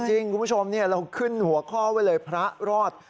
จริงคุณผู้ชมเราขึ้นหัวข้อไว้เลยพระรอด